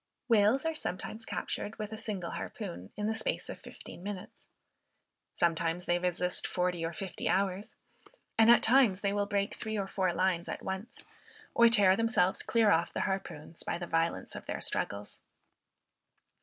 Whales are sometimes captured, with a single harpoon, in the space of fifteen minutes. Sometimes they resist forty or fifty hours, and at times they will break three or four lines at once, or tear themselves clear off the harpoons, by the violence of their struggles.